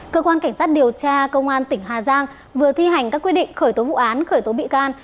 cơ quan cảnh sát điều tra công an tỉnh hà giang vừa thi hành các quyết định khởi tố vụ án khởi tố bị can